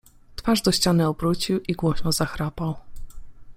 Twarz do ściany obrócił i głośno zachrapał.